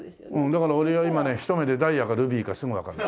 だから俺は今ねひと目でダイヤかルビーかすぐわかる。